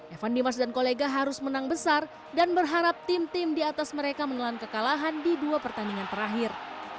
evan dimas dan kolega harus menang besar dan berharap tim tim di atas mereka menelan kekalahan di dua pertandingan terakhir